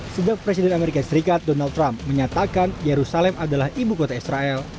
sejak presiden amerika serikat donald trump menyatakan yerusalem adalah ibu kota israel